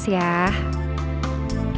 oke selamat bekerja ya